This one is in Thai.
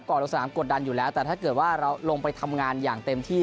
ลงสนามกดดันอยู่แล้วแต่ถ้าเกิดว่าเราลงไปทำงานอย่างเต็มที่